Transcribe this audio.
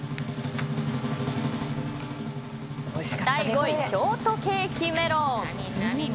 第５位ショートケーキ・メロン。